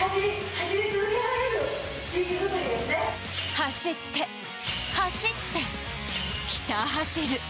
走って、走って、ひた走る。